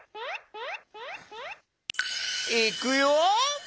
いくよ！